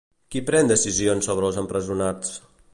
Qui pren decisions sobre els empresonats?